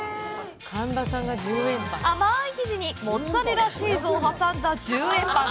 甘い生地にモッツァレラチーズを挟んだ１０円パン。